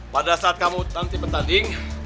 pada saat kamu nanti bertanding